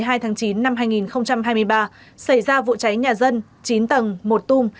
hồi hai mươi ba h hai mươi hai phút ngày một mươi hai tháng chín năm hai nghìn hai mươi ba xảy ra vụ cháy nhà dân chín tầng một tung